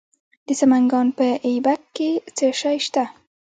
د سمنګان په ایبک کې څه شی شته؟